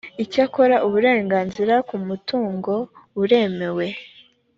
icyakora uburenganzira ku mutungo buremewe